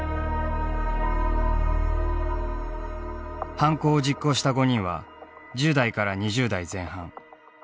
犯行を実行した５人は１０代から２０代前半。